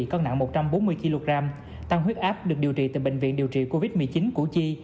cân nặng một trăm bốn mươi kg tăng huyết áp được điều trị tại bệnh viện điều trị covid một mươi chín củ chi